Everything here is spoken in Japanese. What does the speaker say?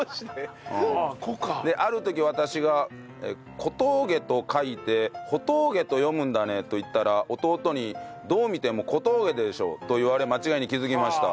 ある時私が「小峠と書いてほとうげと読むんだね」と言ったら弟に「どう見ても小峠でしょ」と言われ間違いに気づきました。